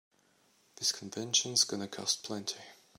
This convention's gonna cost plenty.